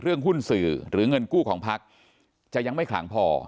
เรื่องหุ้นสื่อหรือเงินกู้ของพรรคจะยังไม่ขลางพอ